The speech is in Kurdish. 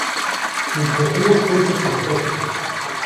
Hûn ketine keyf û sohbetê